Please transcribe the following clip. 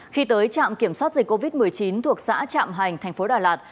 khi tới trạm kiểm soát dịch covid một mươi chín thuộc xã trạm hành thành phố đà lạt